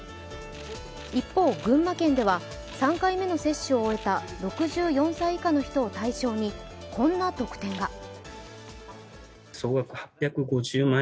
一方、群馬県では３回目の接種を終えた６４歳以下の人を対象にこんな特典が。